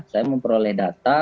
saya memperoleh data